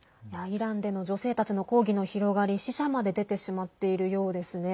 イランでの女性たちの抗議の広がり死者まで出てしまっているようですね。